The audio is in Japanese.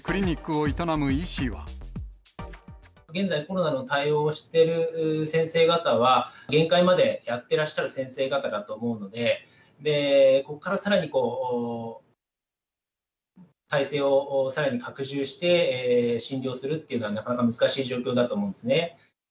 現在、コロナの対応をしている先生方は、限界までやってらっしゃる先生方だと思うので、ここからさらに、体制をさらに拡充して、診療するっていうのは、なかなか難しい状況だと思うんですね。